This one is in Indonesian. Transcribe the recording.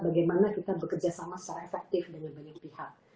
bagaimana kita bekerja sama secara efektif dengan banyak pihak